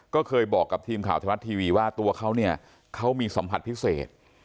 ก็เคยบอกกับทีมข่าวธรรมรัฐทีวีว่าตัวเขาเนี่ยเขามีสัมผัสพิเศษ